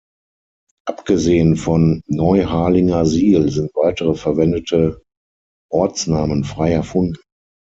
Abgesehen von Neuharlingersiel sind weitere verwendete Ortsnamen frei erfunden.